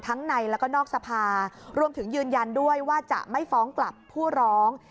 ในแล้วก็นอกสภารวมถึงยืนยันด้วยว่าจะไม่ฟ้องกลับผู้ร้อง